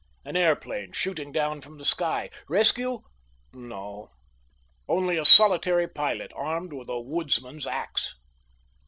An airplane shooting down from the sky. Rescue? No. Only a solitary pilot, armed with a woodsman's ax.